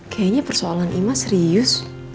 kayaknya persoalan imas serius